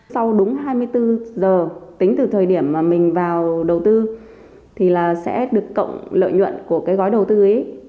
sau đúng hai mươi bốn giờ tính từ thời điểm mà mình vào đầu tư thì là sẽ được cộng lợi nhuận của cái gói đầu tư ấy